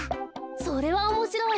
それはおもしろい。